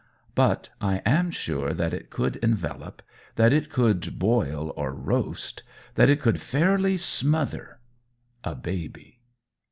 But I am sure that it could envelop, that it could boil or roast, that it could fairly smother a baby!